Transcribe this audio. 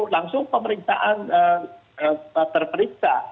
langsung pemeriksaan terperiksa